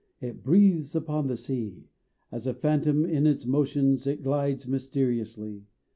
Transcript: it breathes upon the sea; As phantom in its motions it glides mysteriously!